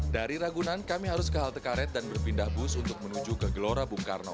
dari ragunan kami harus ke halte karet dan berpindah bus untuk menuju ke gelora bung karno